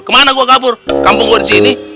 kemana gua kabur kampung gua di sini